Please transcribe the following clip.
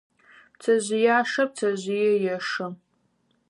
Пцэжъыяшэр пцэжъые ешэ.